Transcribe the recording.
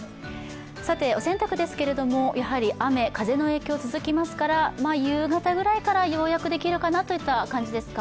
お洗濯ですけれども、やはり雨、風の影響が続きますから夕方ぐらいからようやくできるかなといった感じですか。